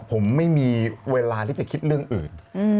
ผมไม่มีเวลาที่จะคิดเรื่องอื่น